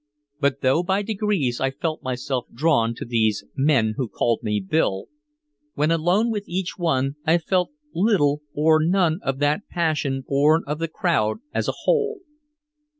But though by degrees I felt myself drawn to these men who called me "Bill," when alone with each one I felt little or none of that passion born of the crowd as a whole.